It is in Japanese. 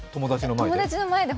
友達の前で？